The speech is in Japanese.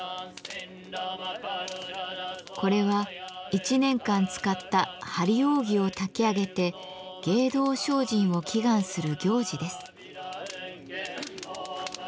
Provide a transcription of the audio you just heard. これは１年間使った「張り扇」を炊き上げて芸道精進を祈願する行事です。